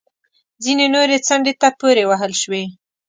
ځینې نورې څنډې ته پورې وهل شوې